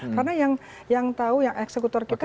karena yang tahu yang eksekutor kita